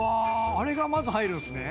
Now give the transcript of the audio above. あれがまず入るんですね